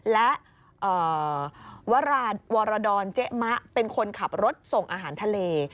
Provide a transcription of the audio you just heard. และวรดรเจ๊มะเป็นคนขับรถส่งอาหารทะเล